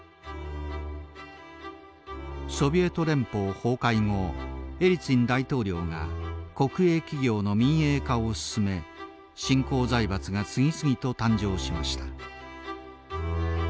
ソビエト連邦崩壊後エリツィン大統領が国営企業の民営化を進め新興財閥が次々と誕生しました。